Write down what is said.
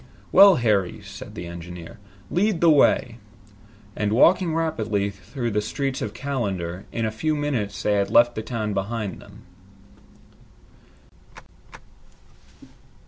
"Well, Harry," said the engineer, "lead the way." And walking rapidly through the streets of Callander, in a few minutes they had left the town behind them.